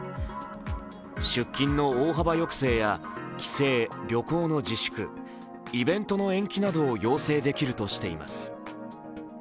出勤の大幅抑制や帰省、旅行の自粛、イベントの延期などを要請できるとしています。